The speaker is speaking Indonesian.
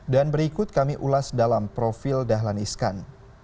dan berikut kami ulas dalam profil dahlan iskan